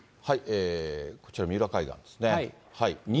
こちら、三浦海岸ですね。